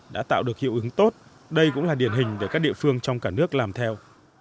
đã tạo được hiệu ứng tốt đây cũng là điển hình để các địa phương trong cả nước làm theo